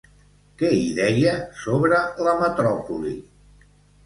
Què hi deia sobre la metròpoli?